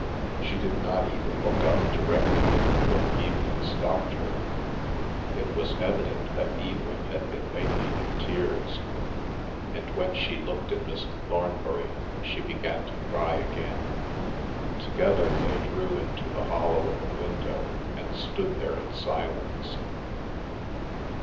She did not even look up directly when Evelyn stopped her. It was evident that Evelyn had been lately in tears, and when she looked at Mrs. Thornbury she began to cry again. Together they drew into the hollow of a window, and stood there in silence.